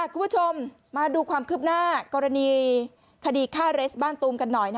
คุณผู้ชมมาดูความคืบหน้ากรณีคดีฆ่าเรสบ้านตูมกันหน่อย